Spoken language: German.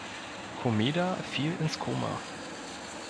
Komeda fiel ins Koma.